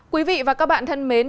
quý vị và các bạn thân mến